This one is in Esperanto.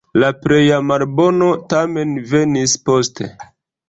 La pleja malbono tamen venis poste.